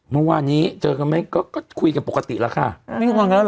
เมื่อวานนี้เจอกันไหมก็คุยกันปกติแล้วค่ะไม่งงกันแล้วเห